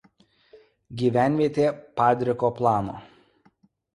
Gyvenvietė padriko plano.